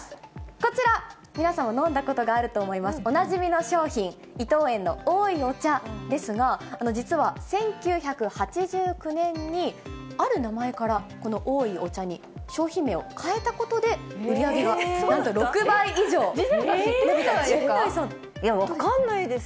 こちら、皆さんも飲んだことがあると思います、おなじみの商品、伊藤園のおいお茶ですが、実は１９８９年に、ある名前からこのおいお茶に商品名を変えたことで、売り上げがなんと６倍以上伸びたということです。